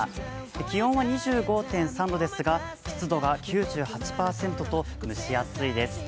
気温は２５．３度ですが、湿度が９８％と、蒸し暑いです。